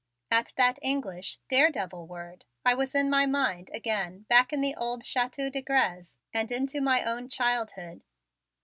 At that English "daredevil" word I was in my mind again back in the old Chateau de Grez and into my own childhood.